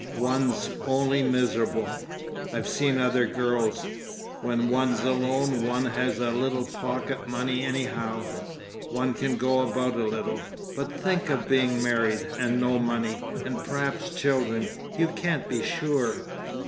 "One's only miserable. I've seen other girls. When one's alone one has a little pocket money anyhow, one can go about a little. But think of being married and no money, and perhaps children—you can't be sure...."